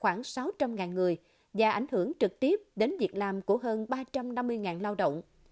khoảng sáu trăm linh người và ảnh hưởng trực tiếp đến việc làm của hơn ba trăm năm mươi lao động